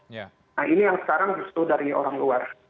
nah ini yang sekarang justru dari orang luar